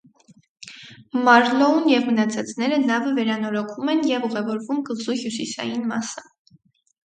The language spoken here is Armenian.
Մարլոուն և մնացածները նավը վերանորոգում են և ուղևորվում կղզու հյուսիսային մասը։